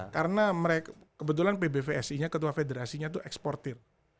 karena mereka kebetulan pbvsi nya ketua federasinya tuh eksportir